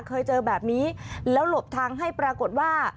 เคยเจอแบบนี้แล้วหลบทางให้ปรากฏว่า